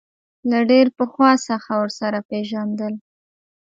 له ډېر پخوا څخه ورسره پېژندل.